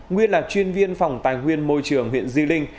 nguyên là chuyên viên phòng tài nguyên môi trường huyện di linh